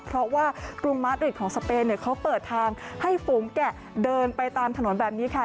เพราะว่ากรุงมาร์ริดของสเปนเขาเปิดทางให้ฝูงแกะเดินไปตามถนนแบบนี้ค่ะ